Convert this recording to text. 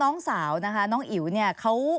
น้องสาวนะคะน้องอิ๋วเนี่ยเขา